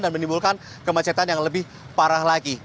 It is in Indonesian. menimbulkan kemacetan yang lebih parah lagi